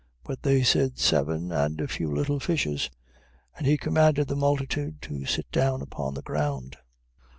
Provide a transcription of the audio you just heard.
But they said: Seven, and a few little fishes. 15:35. And he commanded the multitude to sit down upon the ground.